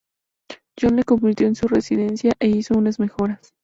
John la convirtió en su residencia e hizo unas mejoras.